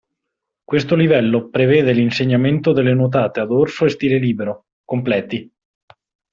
Questo livello prevede l'insegnamento delle nuotate a dorso e stile libero (completi).